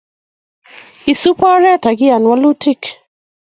Isub oret akiyan walutik